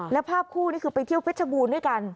แล้วภาพคู่นี่คือไปเที่ยวเพชรบูรณ์ด้วยกัน